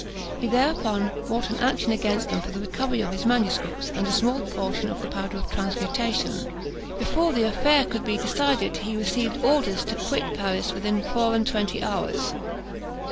He thereupon brought an action against them for the recovery of his Mss. and a small portion of the powder of transmutation. Before the affair could be decided, he received orders to quit Paris within four and twenty hours.